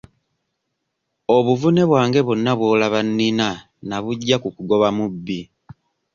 Obuvune bwange bwonna bw'olaba nnina nabuggya ku kugoba mubbi.